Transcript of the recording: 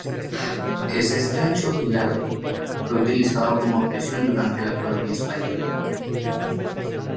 Es estrecho y largo, fue utilizado como prisión durante la Colonia Española.